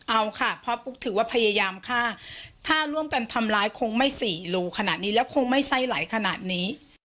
เอาค่ะเพราะปุ๊กถือว่าพยายามฆ่าถ้าร่วมกันทำร้ายคงไม่สี่รูขนาดนี้แล้วคงไม่ไส้ไหลขนาดนี้